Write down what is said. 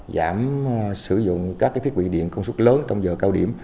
giảm sử dụng các thiết bị điện công suất lớn trong giờ cao điểm